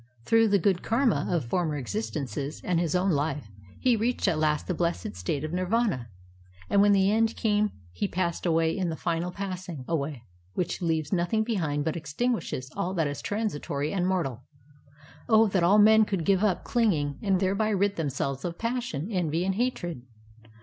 Through the good karma of fonner existences and his own Kfe he reached at last the blessed state of nindna, and when the end came he passed away in that final passing away which leaves nothing behind but extinguishes all that is transiton* and mortal. Oh, that all men could give up clinging and thereby rid themselves of passion, en\y, and hatred!"